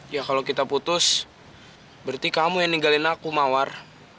ya kalau kita putus berarti kamu yang ninggalin aku mawar